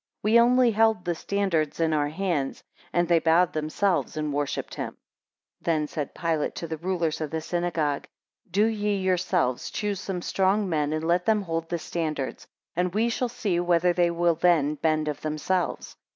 We only held the standards in our hands, and they bowed themselves and worshipped him. 26 Then said Pilate to the rulers of the synagogue, Do ye yourselves choose some strong men, and let them hold the standards, and we shall see whether they will then bend of themselves.